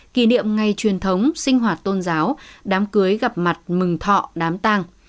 kỷ niệm ngày truyền thống sinh hoạt tôn giáo đám cưới gặp mặt mừng thọ đám tang